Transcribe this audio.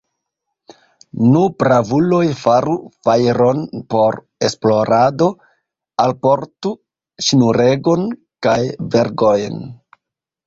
Nu, bravuloj, faru fajron por esplorado, alportu ŝnuregon kaj vergojn!